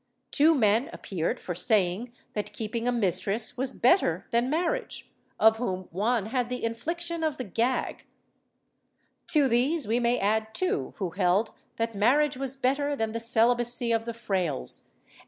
Two men appeared for saying that keeping a mistress was better than marriage, of whom one had the infliction of the gag. To these we may add two who held that marriage was better than the celibacy of the frailes, and we * Archive de Simancas, Hacienda, Leg.